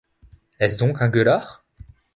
Est-ce donc un gueulard ?